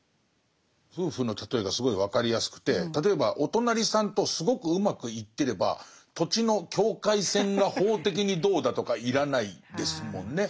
夫婦の例えがすごい分かりやすくて例えばお隣さんとすごくうまくいってれば土地の境界線が法的にどうだとか要らないですもんね。